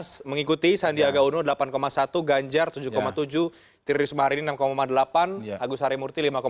dan mengikuti sandiaga uno delapan satu ganjar tujuh tujuh tiriris marini enam lima puluh delapan agus harimurti lima tujuh